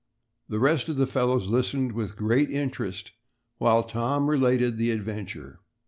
The rest of the fellows listened with the greatest interest, while Tom related the adventure.